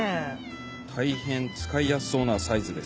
大変使いやすそうなサイズです。